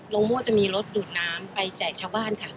มั่วจะมีรถดูดน้ำไปแจกชาวบ้านค่ะ